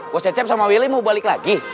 co cecep sama willy mau balik lagi